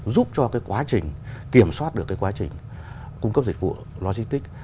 giúp cho quá trình kiểm soát được quá trình cung cấp dịch vụ logistics